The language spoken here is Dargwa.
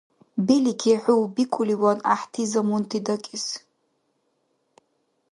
Белики, хӀу бикӀуливан, гӀяхӀти замунти дакӀес…